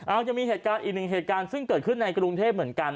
เอาจะมีเหตุการณ์อีกหนึ่งเหตุการณ์ซึ่งเกิดขึ้นในกรุงเทพเหมือนกัน